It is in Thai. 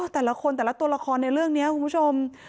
แต่ละคนแต่ละตัวละครในเรื่องนี้คุณผู้ชม